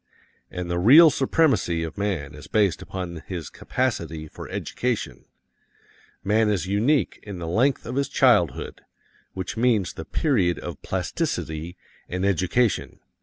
And the real supremacy of man is based upon his capacity for education. Man is unique in the length of his childhood, which means the period of plasticity and education.